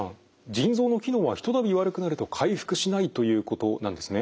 腎臓の機能は一たび悪くなると回復しないということなんですね。